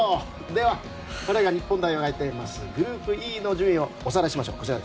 では、我らが日本代表のグループＥの順位をおさらいしましょう。